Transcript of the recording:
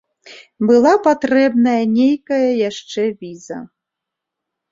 Была патрэбная нейкая яшчэ віза.